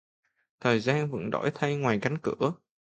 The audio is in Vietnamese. Thời gian vẫn đổi thay ngoài cánh cửa